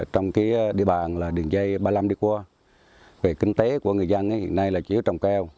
trong cái địa bàn là đường dây ba mươi năm đi qua về kinh tế của người dân thì hiện nay là chỉ trồng keo